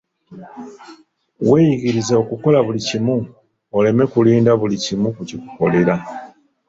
Weeyigirize okukola buli kimu, oleme kulinda buli kimu kukikolera.